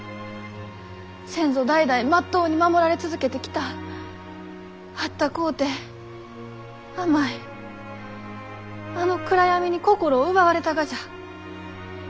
先祖代々まっとうに守られ続けてきたあったこうて甘いあの暗闇に心を奪われたがじゃ。